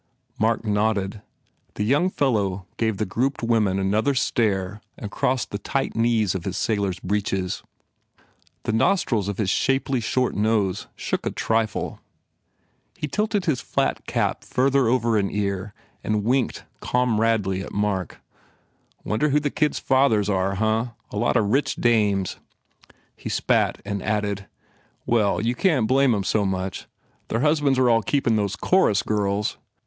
Mark nodded. The young fellow gave the grouped women another stare and crossed the tight knees of his sailor s breeches. The nostrils of his shapely, short nose shook a trifle. He 8 9 THE FAIR REWARDS tilted his flat cap further over an ear and winked comradely at Mark, "Wonder who the kids fathers are, huh? A lot of rich dames. ..." He spat and added, "Well, you can t blame em so much. Their husban s are all keepin these chorus girls.